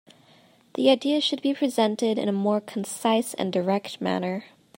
The ideas should be presented in a more concise and direct manner.